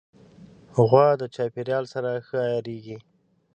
غوا د چاپېریال سره ښه عیارېږي.